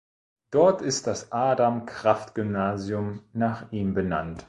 Dort ist das Adam-Kraft-Gymnasium nach ihm benannt.